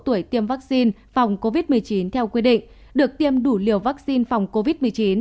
tuổi tiêm vaccine phòng covid một mươi chín theo quy định được tiêm đủ liều vaccine phòng covid một mươi chín